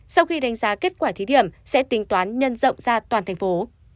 sau khi đánh giá kết quả thí điểm sẽ tính toán nhân rộng ra toàn thành phố